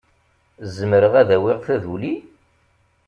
Zemreɣ ad awiɣ taduli?